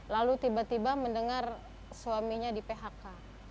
lalu tiba tiba mendengar suaminya di phk